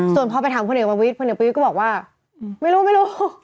ส่วนพอไปถามคนเอกประวิทย์คนเอกประวิทย์ก็บอกว่าไม่รู้